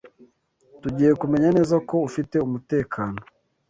Tugiye kumenya neza ko ufite umutekano.